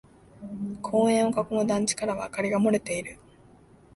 公園を囲む団地からは明かりが漏れている。